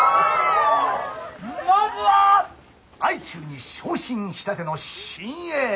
まずは相中に昇進したての新鋭。